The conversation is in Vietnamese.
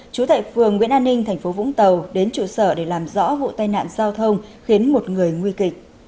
chú tại phường nguyễn an ninh tp vũng tàu đến trụ sở để làm rõ vụ tai nạn giao thông khiến một người nguy kịch